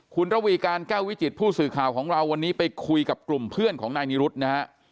คุณระวีการแก้ววิจิตผู้สื่อข่าวของเราวันนี้ไปคุยกับกลุ่มเพื่อนของนายนิรุธนะฮะ